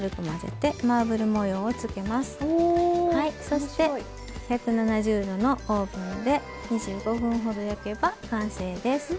そして１７０℃のオーブンで２５分ほど焼けば完成です。